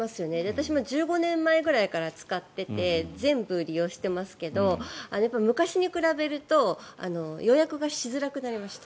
私も１５年前くらいから使っていて全部利用してますけど昔に比べると予約がしづらくなりました。